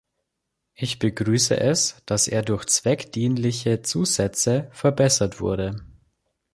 Ich begrüße es, dass er durch zweckdienliche Zusätze verbessert wurde.